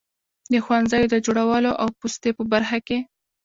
د ښوونځیو د جوړولو او پوستې په برخه کې.